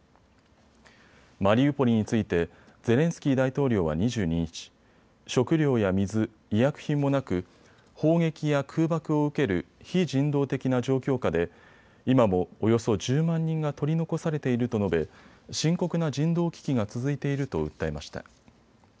マリウポリについてゼレンスキー大統領は２２日、食料や水、医薬品もなく砲撃や空爆を受ける非人道的な状況下で今も、およそ１０万人が取り残されていると述べ深刻な人道危機が続いていると訴えました。